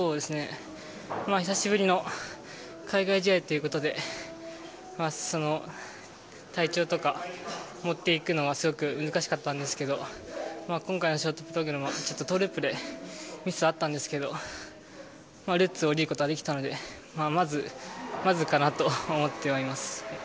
久しぶりの海外試合ということで体調とか持っていくのがすごく難しかったんですけど今回のショートプログラムはトウループでミスがあったんですがルッツで降りることができたのでまずまずかなと思ってはいます。